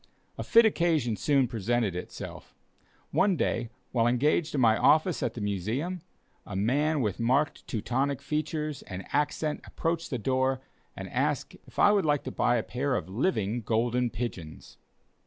A fit occasion soon presented itself. One day, while engaged in my office at the Museum, a man with marked Teutonic features and accent approached the door and asked if I would like to buy a pair of living golden pigeons.